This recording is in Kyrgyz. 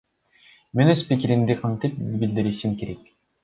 Мен өз пикиримди кантип билдиришим керек?